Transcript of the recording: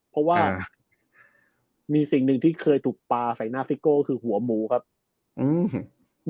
เพราะว่ามีสิ่งหนึ่งที่เคยถูกปลาใส่หน้าซิโก้คือหัวหมูครับอืม